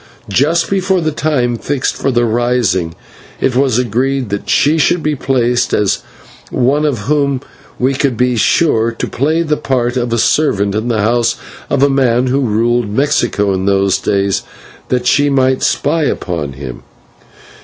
Just before the time fixed for the rising, it was agreed that she should be placed, as one of whom we could be sure, to play the part of a servant in the house of the man who ruled Mexico in those days, that she might spy upon him.